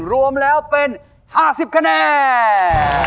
รวมแล้วเป็น๕๐คะแนน